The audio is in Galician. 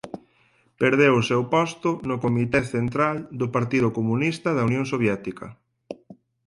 Perdeu o seu posto no Comité Central do Partido Comunista da Unión Soviética.